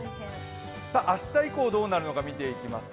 明日以降どうなるのか見ていきます。